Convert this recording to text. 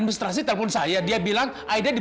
maaf kalau saya ngeganggu dokter